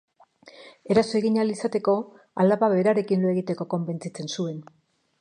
Eraso egin ahal izateko, alaba berarekin lo egiteko konbentzitzen zuen.